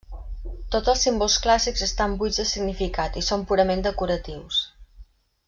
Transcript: Tots els símbols clàssics estan buits de significat i són purament decoratius.